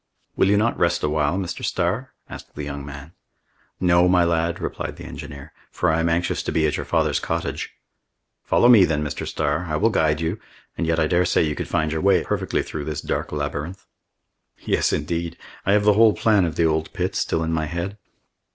"Will you not rest a while, Mr. Starr?" asked the young man. "No, my lad," replied the engineer, "for I am anxious to be at your father's cottage." "Follow me then, Mr. Starr. I will guide you, and yet I daresay you could find your way perfectly well through this dark labyrinth." "Yes, indeed! I have the whole plan of the old pit still in my head."